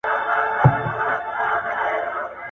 • چي و دي نه پوښتي، مه گډېږه.